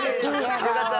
よかった。